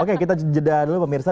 oke kita jeda dulu pemirsa